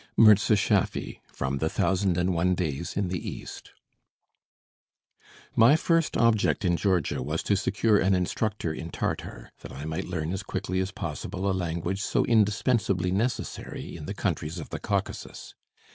MIRZA SCHAFFY From the 'Thousand and One Days in the East' My first object in Georgia was to secure an instructor in Tartar, that I might learn as quickly as possible a language so indispensably necessary in the countries of the Caucasus.